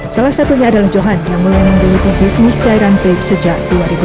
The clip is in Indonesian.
salah satunya adalah johan yang mulai menggeluti bisnis cairan vape sejak dua ribu sebelas